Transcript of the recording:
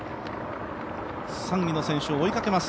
３位の選手を追いかけます。